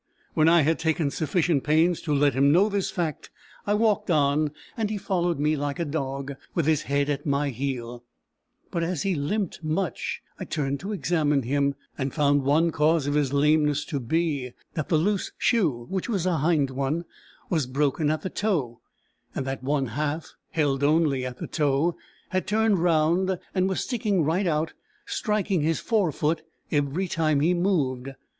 When I had taken sufficient pains to let him know this fact, I walked on, and he followed me like a dog, with his head at my heel; but as he limped much, I turned to examine him; and found one cause of his lameness to be, that the loose shoe, which was a hind one, was broken at the toe; and that one half, held only at the toe, had turned round and was sticking right out, striking his forefoot every time he moved.